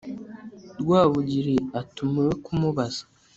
rwabugili atuma iwe kumubaza